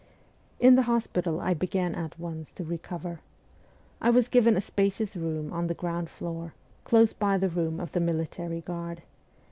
In the hospital I began at once to recover. I was given a spacious room on the ground floor, close by the room of the military guard.